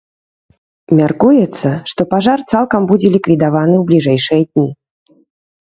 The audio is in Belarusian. Мяркуецца, што пажар цалкам будзе ліквідаваны ў бліжэйшыя дні.